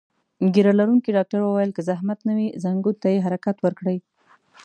ږیره لرونکي ډاکټر وویل: که زحمت نه وي، ځنګون ته یې حرکت ورکړئ.